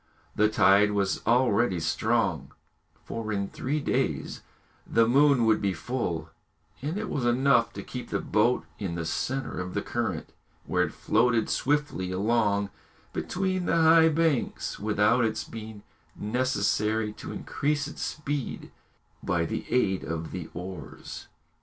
The tide was already strong, for in three days the moon would be full, and it was enough to keep the boat in the centre of the current, where it floated swiftly along between the high banks without its being necessary to increase its speed by the aid of the oars.